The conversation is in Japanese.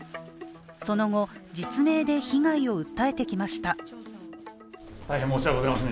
その後、実名で被害を訴えてきました。